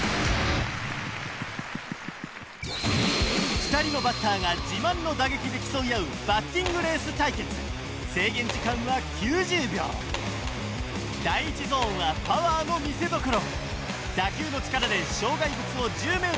２人のバッターが自慢の打撃で競い合うバッティングレース対決制限時間は９０秒第１ゾーンはパワーの見せどころ